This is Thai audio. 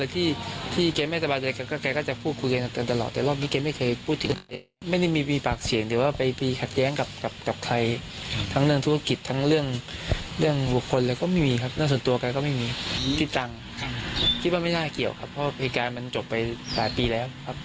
คิดว่าไม่น่าเกี่ยวครับเพราะเหตุการณ์มันจบไปหลายปีแล้วครับ